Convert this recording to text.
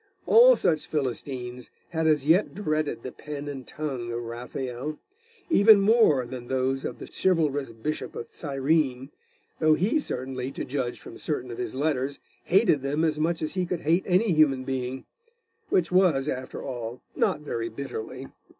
All such Philistines had as yet dreaded the pen and tongue of Raphael, even more than those of the chivalrous Bishop of Cyrene, though he certainly, to judge from certain of his letters, hated them as much as he could hate any human being; which was after all not very bitterly.